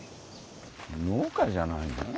農家じゃないの？